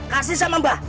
kasih sama mbak